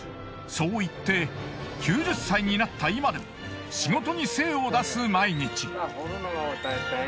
そう言って９０歳になった今でも仕事に精を出す毎日。